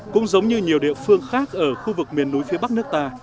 cũng giống như nhiều địa phương khác ở khu vực miền núi phía bắc nước ta